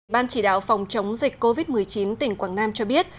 ban chỉ đạo phòng chống dịch covid một mươi chín tỉnh quảng nam cho biết